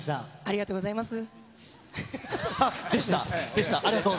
ありがとうございます。